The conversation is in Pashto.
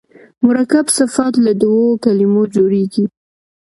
مرکب صفت له دوو کلمو جوړیږي.